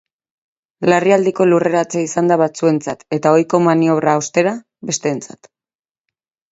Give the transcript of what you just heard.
Larrialdiko lurreratzea izan da batzuentzat eta ohiko maniobra, ostera, besteentzat.